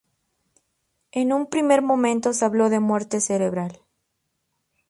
En un primer momento se habló de muerte cerebral.